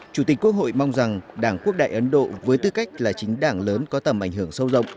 chủ tịch quốc hội mong rằng đảng quốc đại ấn độ với tư cách là chính đảng lớn có tầm ảnh hưởng sâu rộng